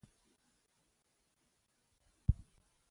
پلار ماشومانو ته د کار او هڅې ارزښت ښيي